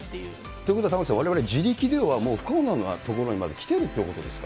ということは、玉城さん、われわれは自力ではもう不可能なところまできてるってことですか。